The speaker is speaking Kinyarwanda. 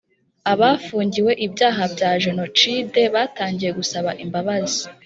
Abafungiwe ibyaha bya jenocide batangiye gusaba imbabazi